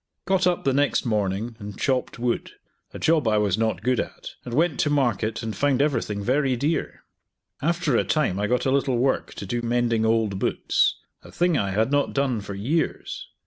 Got up the next morning and chopped wood; a job I was not good at, and went to market, and found everything very dear. After a time I got a little work to do mending old boots; a thing I had not done for years.